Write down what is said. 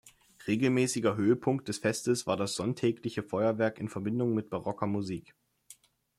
Regelmäßiger Höhepunkt des Festes war das sonntägliche Feuerwerk in Verbindung mit barocker Musik.